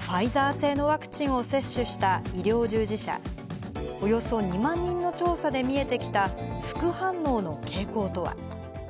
ファイザー製のワクチンを接種した医療従事者、およそ２万人の調査で見えてきた副反応の傾向とは。